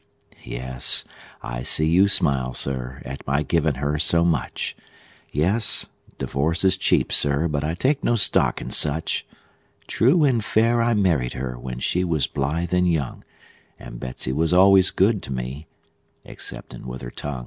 Yes, I see you smile, Sir, at my givin' her so much; Yes, divorce is cheap, Sir, but I take no stock in such! True and fair I married her, when she was blithe and young; And Betsey was al'ays good to me, exceptin' with her tongue.